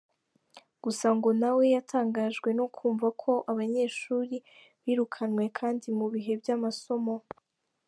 Gusa ngo nawe yatangajwe no kumva ko abanyeshuri birukanywe kandi mu bihe by’amasomo.